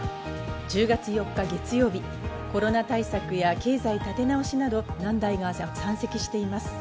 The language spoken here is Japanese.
１０月４日月曜日、コロナ対策や経済立て直しなど問題が山積しています。